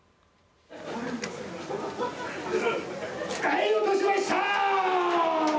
はい、落としました！